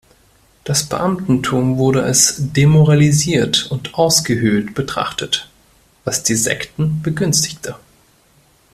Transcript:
Das Beamtentum wurde als „demoralisiert und ausgehöhlt“ betrachtet, was die Sekten begünstigte.